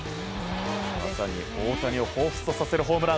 まさに大谷をほうふつとさせるホームラン。